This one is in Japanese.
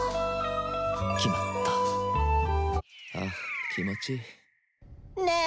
決まったあ気持ちいいねえ